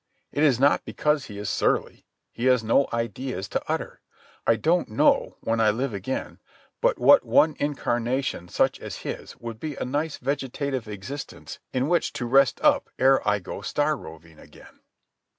It is not because he is surly. He has no ideas to utter. I don't know, when I live again, but what one incarnation such as his would be a nice vegetative existence in which to rest up ere I go star roving again.